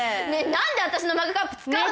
何で私のマグカップ使うのよ